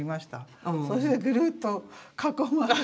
それでぐるっと囲まれて。